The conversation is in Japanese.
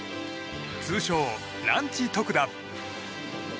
通称ランチ特打。